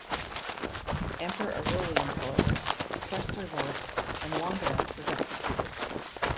Emperor Aurelian, however, crushed the revolt, and Longinus was executed.